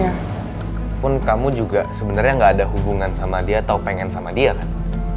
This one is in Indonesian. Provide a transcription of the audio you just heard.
walaupun kamu juga sebenarnya gak ada hubungan sama dia atau pengen sama dia kan